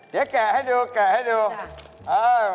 เดี๋ยวแกะให้ดู